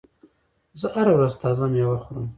زه هره ورځ تازه میوه خورم.